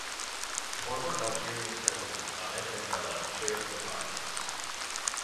Former Algerian president Ahmed Ben Bella chaired the conference.